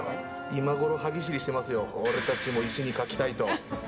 今頃歯ぎしりしてますよ、俺たちも石に描きたいと。